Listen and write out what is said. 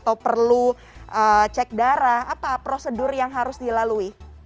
apakah proses yang harus dilalui